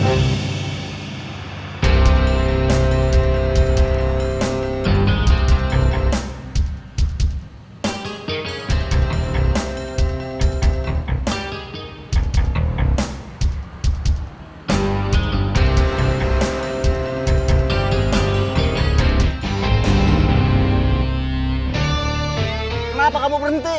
kenapa kamu berhenti